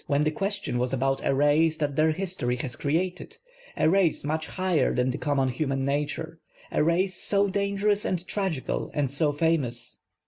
37 when the question was ahout a race that tlieir liistnry lias created, a race nuich liigher than the common liuman nature, a race so d.angerous and tragical and so famous?